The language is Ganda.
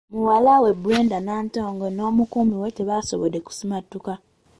Muwala we Brenda Nantongo n’omukuumi we tebaasobodde kusimattuka.